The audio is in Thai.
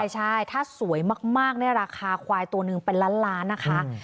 ใช่ถ้าสวยมากราคาควายตัวหนึ่งเป็นล้านล้านนะคะ